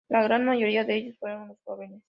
La gran mayoría de ellos fueron los jóvenes.